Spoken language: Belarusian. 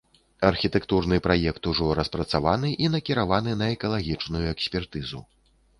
Архітэктурны праект ужо распрацаваны і накіраваны на экалагічную экспертызу.